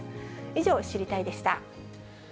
以上、知りたいッ！でした。